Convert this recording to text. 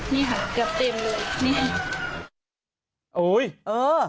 นี่ค่ะเกือบเต็มเลย